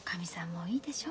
もういいでしょ？